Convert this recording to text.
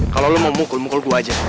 kalau lu mau mukul mukul gua aja